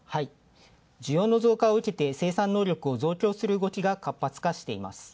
需要の増加をうけて生産能力を増強する動きが活発化しています。